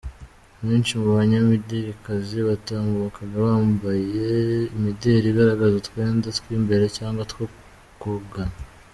Benshi mu banyamidelikazi batambukaga bambaye imideli igaragaza utwenda tw'imbere cyangwa two kogana.